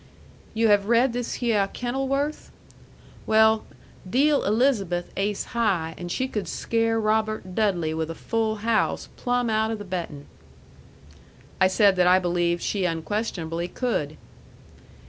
You have read this hyeh Kenilworth? Well, deal Elizabeth ace high, an' she could scare Robert Dudley with a full house plumb out o' the bettin'." I said that I believed she unquestionably could.